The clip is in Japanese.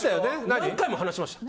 何回も話しました。